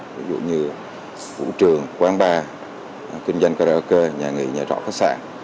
ví dụ như vũ trường quán bar kinh doanh karaoke nhà nghỉ nhà trọ khách sạn